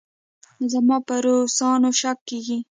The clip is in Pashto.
زما په روسانو شک کېږي.